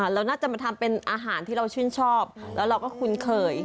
เราน่าจะมาทำเป็นอาหารที่เราชื่นชอบแล้วเราก็คุ้นเคย